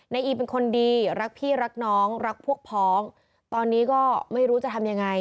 อีเป็นคนดีรักพี่รักน้องรักพวกพ้องตอนนี้ก็ไม่รู้จะทำยังไง